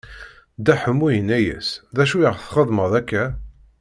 Dda Ḥemmu inna-yas: D acu i ɣ-txedmeḍ akka?